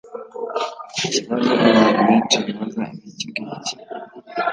Ikibazo abantu benshi bibaza ni ikingiki